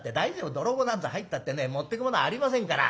泥棒なんざ入ったってね持ってくものありませんから。